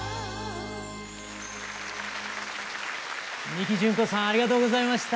美貴じゅん子さんありがとうございました。